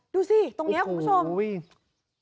ดูสิตรงเนี้ยครับคุณผู้ชมโอ้โห